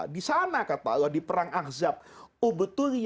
disana kata allah di perang ahzab